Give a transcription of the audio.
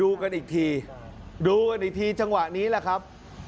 กันอีกทีดูกันอีกทีจังหวะนี้แหละครับ